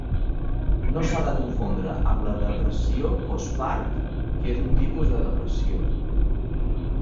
No s'ha de confondre amb la depressió postpart, que és un tipus de depressió.